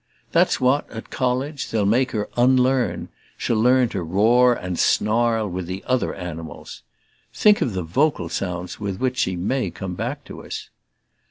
That's what, at college, they'll make her unlearn; she'll learn to roar and snarl with the other animals. Think of the vocal sounds with which she may come back to us!"